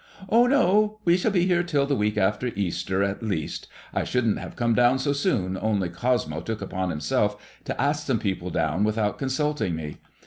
" Oh, no. We shall be here till the week after Easter, at least. I shouldn't have come down so soon, only Cosmo took upon himself to ask some people down without consulting me.